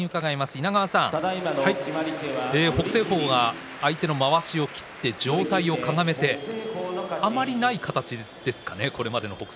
稲川さん北青鵬が相手のまわしを切って上体をかがめてあまりない形ですかね。